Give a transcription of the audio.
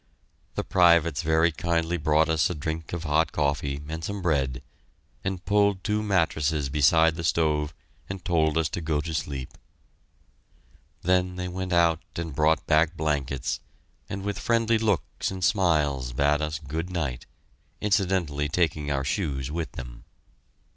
The privates very kindly brought us a drink of hot coffee and some bread, and pulled two mattresses beside the stove and told us to go to sleep. Then they went out and brought back blankets, and with friendly looks and smiles bade us good night, incidentally taking our shoes with them.